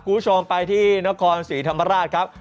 คุณผู้ชมไปที่นครศรีธรรมราชครับ